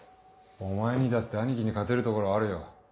お前にだって兄貴に勝てるところはあるよ。